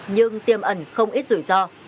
nhưng tiềm ẩn không ít rủi ro